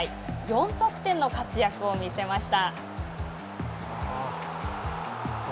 ４得点の活躍を見せました。